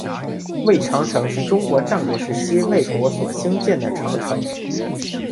魏长城是中国战国时期魏国所兴建的长城。